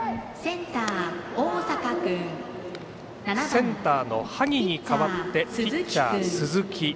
センターの萩に代わってピッチャー鈴木。